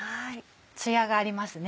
つやがありますね。